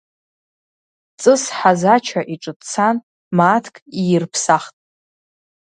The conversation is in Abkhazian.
Ҵыс Ҳазача иҿы дцан, мааҭк иирԥсахт.